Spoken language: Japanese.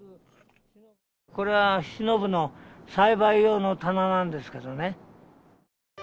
これはしのぶの栽培用の棚なんですけどね。